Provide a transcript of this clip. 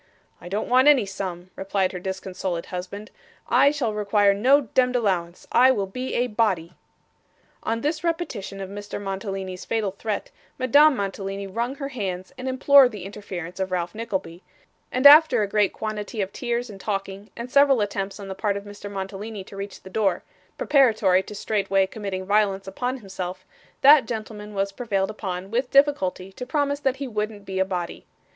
'I don't want any sum,' replied her disconsolate husband; 'I shall require no demd allowance. I will be a body.' On this repetition of Mr. Mantalini's fatal threat, Madame Mantalini wrung her hands, and implored the interference of Ralph Nickleby; and after a great quantity of tears and talking, and several attempts on the part of Mr. Mantalini to reach the door, preparatory to straightway committing violence upon himself, that gentleman was prevailed upon, with difficulty, to promise that he wouldn't be a body.